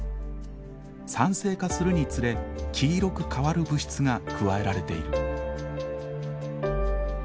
酸性化するにつれ黄色く変わる物質が加えられている。